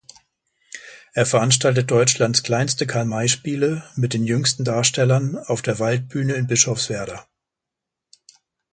Er veranstaltet Deutschlands kleinste Karl-May-Spiele mit den jüngsten Darstellern auf der Waldbühne in Bischofswerda.